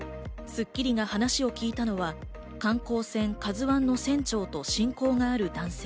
『スッキリ』が話を聞いたのは観光船「ＫＡＺＵ１」の船長と親交がある男性。